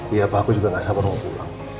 iya pak aku juga gak sabar mau pulang